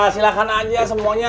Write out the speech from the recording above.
silahkan aja semuanya